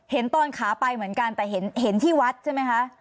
เห็นตอนขาไปเหมือนกันแต่เห็นที่วัดใช่ไหมคะ